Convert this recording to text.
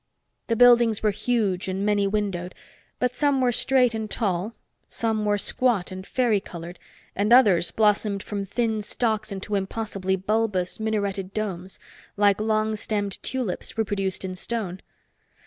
The buildings were huge and many windowed. But some were straight and tall, some were squat and fairy colored and others blossomed from thin stalks into impossibly bulbous, minareted domes, like long stemmed tulips reproduced in stone.